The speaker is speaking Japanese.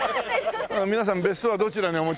「皆さん別荘はどちらにお持ちなんですか？」